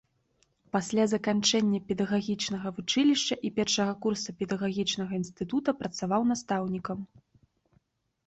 Пасля заканчэння педагагічнага вучылішча і першага курса педагагічнага інстытута працаваў настаўнікам.